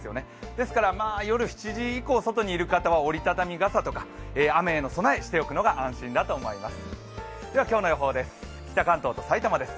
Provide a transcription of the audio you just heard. ですから夜７時以降外にいる方は折り畳み傘とか雨への備えしておくのが安心だと思います。